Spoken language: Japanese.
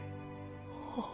あっ。